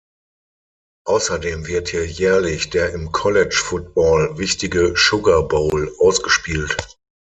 Außerdem wird hier jährlich der im College-Football wichtige Sugar Bowl ausgespielt.